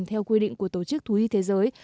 theo quy định của tổ chức thú y thế giới